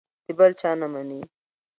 د بل هېچا نه مني.